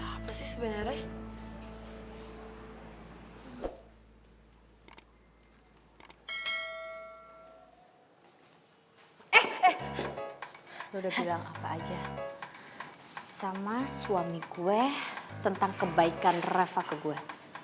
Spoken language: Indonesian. lo udah bilang apa aja sama suami gue tentang kebaikan reva ke gue